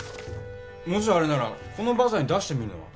もしあれならこのバザーに出してみるのは？